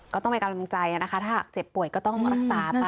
ก็ต้องเป็นกำลังใจนะคะถ้าหากเจ็บป่วยก็ต้องรักษาไป